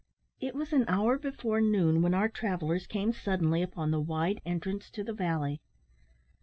It was an hour before noon when our travellers came suddenly upon the wide entrance to the valley.